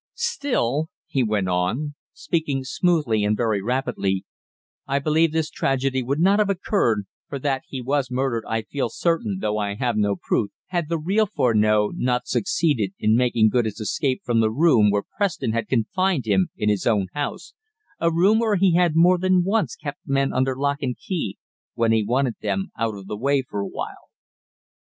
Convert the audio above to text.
Still," he went on, speaking smoothly and very rapidly, "I believe this tragedy would not have occurred for that he was murdered I feel certain, though I have no proof had the real Furneaux not succeeded in making good his escape from the room where Preston had confined him in his own house, a room where he had more than once kept men under lock and key when he wanted them out of the way for a while."